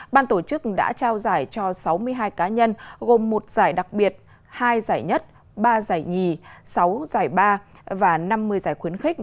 ban tổ chức đã trao giải cho sáu mươi hai cá nhân gồm một giải đặc biệt hai giải nhất ba giải nhì sáu giải ba và năm mươi giải khuyến khích